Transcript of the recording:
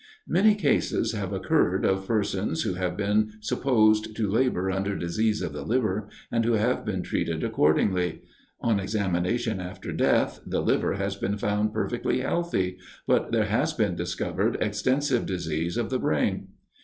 Many cases have occurred of persons who have been supposed to labor under disease of the liver, and who have been treated accordingly: on examination after death, the liver has been found perfectly healthy, but there has been discovered extensive disease of the brain.